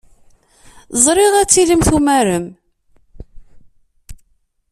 Ẓriɣ ad tilim tumarem.